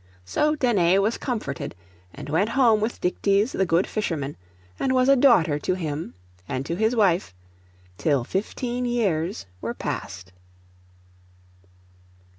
So Danae was comforted, and went home with Dictys the good fisherman, and was a daughter to him and to his wife, till fifteen years were past.